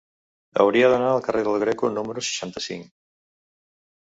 Hauria d'anar al carrer del Greco número seixanta-cinc.